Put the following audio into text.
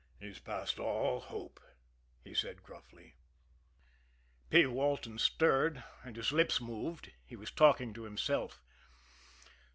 "He's past all hope," he said gruffly. P. Walton stirred, and his lips moved he was talking to himself.